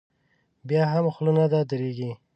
بیا هم خوله نه درېږي.